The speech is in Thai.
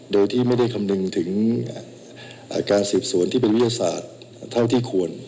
โดยที่ไม่ได้คำนึงถึงการสืบสวนที่เป็นวิทยาศาสตร์เท่าที่ควร